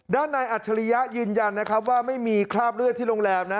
ด้านในอัจฉริยะยืนยันนะครับว่าไม่มีคราบเลือดที่โรงแรมนะ